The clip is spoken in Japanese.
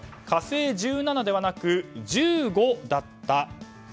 「火星１７」ではなく「１５」だった。